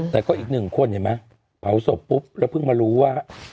แต่ก็อีกหนึ่งคนเห็นไหมเผาศพปุ๊บแล้วเพิ่งมารู้ว่า